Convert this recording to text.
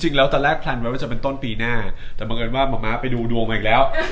จริงแล้วตอนแรกแพลนไว้ว่าจะเป็นต้นปีหน้าแต่บังเอิญว่ามะม้าไปดูดวงมาอีกแล้ว